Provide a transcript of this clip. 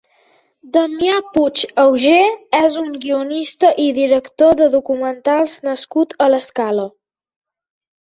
Damià Puig Augé és un guionista i director de documentals nascut a l'Escala.